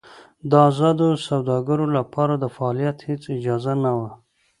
د ازادو سوداګرو لپاره د فعالیت هېڅ اجازه نه وه.